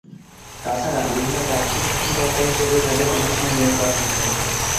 তাছাড়া বিভিন্ন প্রাদেশিক শাসনকর্তা হিসেবেও তাঁদের অনেকসময় নিয়োগ করা হত।